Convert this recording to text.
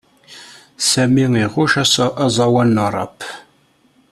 Sami iɣucc aẓawan n uṛap.